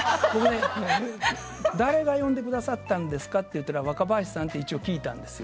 誰が呼んでくださったんですかと聞いたら若林さんって聞いたんですよ。